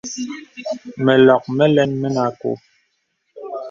Mə lɔk məlɛn mənə àkɔ̄ɔ̄.